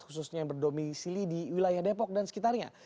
khususnya yang berdomisili di wilayah depok dan sekitarnya